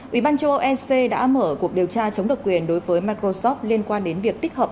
ủy ban châu âu ec đã mở cuộc điều tra chống độc quyền đối với microsoft liên quan đến việc tích hợp